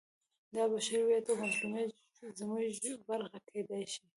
دا بشري هویت او مظلومیت زموږ برخه کېدای شي.